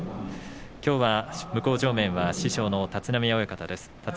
向正面は師匠の立浪親方です。